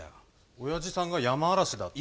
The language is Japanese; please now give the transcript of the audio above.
おやじさんがヤマアラシだって。